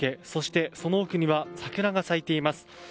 そして、その奥には桜が咲いています。